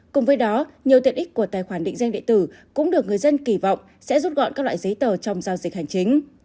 cùng với đó nhiều tiện ích của tài khoản định danh điện tử cũng được người dân kỳ vọng sẽ rút gọn các loại giấy tờ trong giao dịch hành chính